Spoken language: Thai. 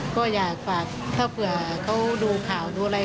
ก็อยากฝากถ้าเผื่อเขาดูข่าวดูอะไร